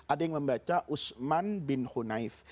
ada yang membaca usman bin khunaif